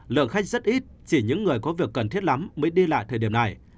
lượng khách rất ít chỉ những người có việc cần thiết lắm mới đi lại thời điểm này